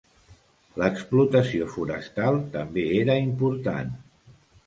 L'explotació forestal també era important.